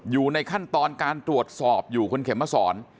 อยู่ในขั้นตอนการตรวจสอบอยู่คุณเข็มมาสอน